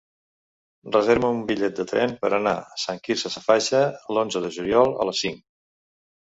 Reserva'm un bitllet de tren per anar a Sant Quirze Safaja l'onze de juliol a les cinc.